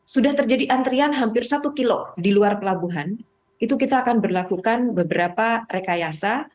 sudah terjadi antrian hampir satu kilo di luar pelabuhan itu kita akan berlakukan beberapa rekayasa